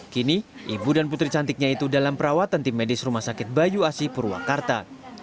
kini ibu dan putri cantiknya itu dalam perawatan tim medis rumah sakit bayu asi purwakarta